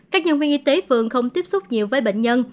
các nhân viên y tế phường không tiếp xúc nhiều với bệnh nhân